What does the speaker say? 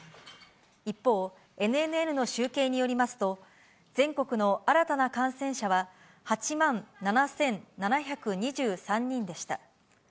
一方、ＮＮＮの集計によりますと、全国の新たな感染者は８万７７２３人でした。